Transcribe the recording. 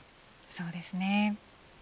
そうですね。